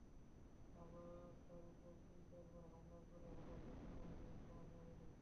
আবার তাঁর ওপর তিন-চারবার হামলা করা হলো, তাতেও কমিশনের টনক নড়েনি।